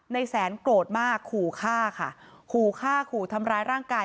ในแสนโกรธมากขู่ฆ่าค่ะขู่ฆ่าขู่ทำร้ายร่างกาย